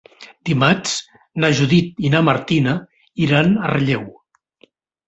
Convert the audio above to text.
Dimarts na Judit i na Martina iran a Relleu.